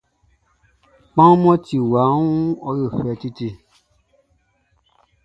Kpanwun mʼɔ ti nvanʼn, ɔ yo fɛ titi.